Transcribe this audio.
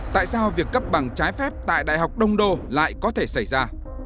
tại sao việc cấp bằng trái phép tại đại học đông đô lại có thể xảy ra